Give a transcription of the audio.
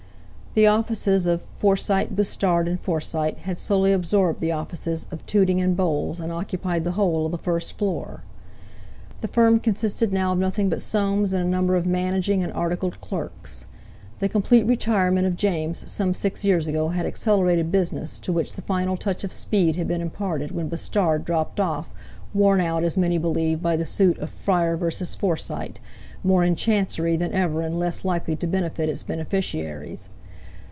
The offices of "Forsyte, Bustard and Forsyte" had slowly absorbed the offices of "Tooting and Bowles," and occupied the whole of the first floor. The firm consisted now of nothing but Soames and a number of managing and articled clerks. The complete retirement of James some six years ago had accelerated business, to which the final touch of speed had been imparted when Bustard dropped off, worn out, as many believed, by the suit of "Fryer versus Forsyte," more in Chancery than ever and less likely to benefit its beneficiaries.